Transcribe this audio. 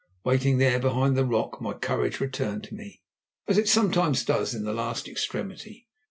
Waiting there behind the rock, my courage returned to me, as it sometimes does in the last extremity.